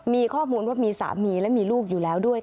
มีข้อมูลว่ามีสามีและมีลูกอยู่แล้วด้วย